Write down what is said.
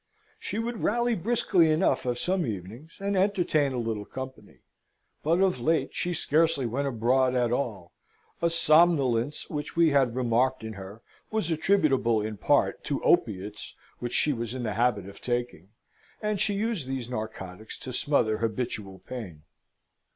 She would rally briskly enough of some evenings, and entertain a little company; but of late she scarcely went abroad at all. A somnolence, which we had remarked in her, was attributable in part to opiates which she was in the habit of taking; and she used these narcotics to smother habitual pain.